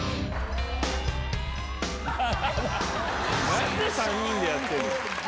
何で３人でやってんの⁉